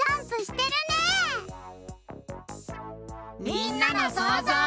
みんなのそうぞう。